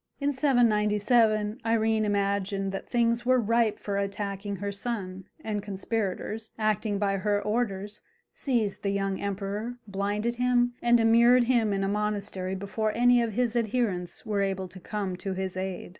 In 797 Irene imagined that things were ripe for attacking her son, and conspirators, acting by her orders, seized the young emperor, blinded him, and immured him in a monastery before any of his adherents were able to come to his aid.